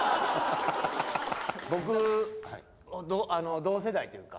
僕同世代っていうか。